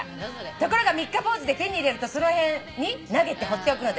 「ところが三日坊主で手に入れるとその辺に投げて放っておくのです」